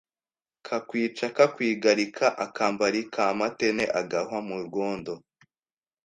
Kakwica kakwigarika akambari ka MateneAgahwa mu rwondo